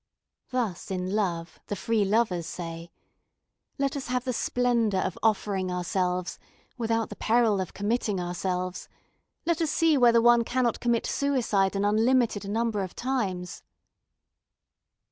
Thus in love the free lovers say: 'Let us have the splendour of offering ourselves without the peril of committing ourselves; let us see whether one cannot commit suicide an unlimited number of times.'